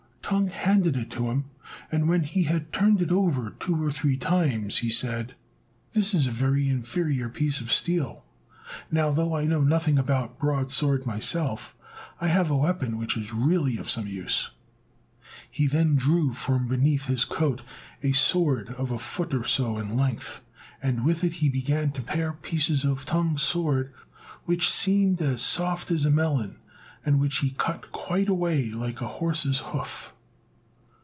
Tung handed it to him, and, when he had turned it over two or three times, he said, "This is a very inferior piece of steel; now, though I know nothing about broad sword myself, I have a weapon which is really of some use." He then drew from beneath his coat a sword of a foot or so in length, and with it he began to pare pieces off Tung's sword, which seemed as soft as a melon, and which he cut quite away like a horse's hoof.